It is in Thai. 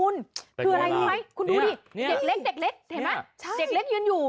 เร็วขึ้นจะยินรถเรือนขึ้น